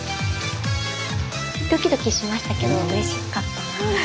ドキドキしましたけどうれしかったな。